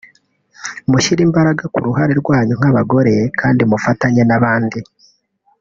mushyire imbaraga ku ruhare rwanyu nk’abagore kandi mufatanye n’abandi